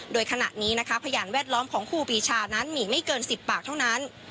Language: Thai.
โดยขณะนี้นะคะพยานแวดล้อมของครูปีชานั้นมีไม่เกิน๑๐ปากเท่านั้น